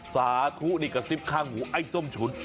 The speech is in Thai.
สาธุนี่กระซิบข้างหูไอ้ส้มฉุน